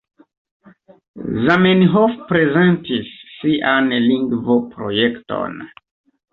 Zamenhof prezentis sian lingvoprojekton.